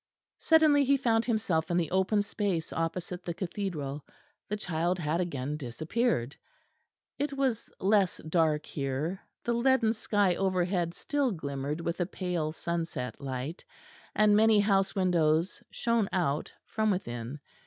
Suddenly he found himself in the open space opposite the Cathedral the child had again disappeared. It was less dark here; the leaden sky overhead still glimmered with a pale sunset light; and many house windows shone out from within.